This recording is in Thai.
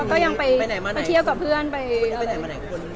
ก็ยังไปเที่ยวกับเพื่อนไปอะไร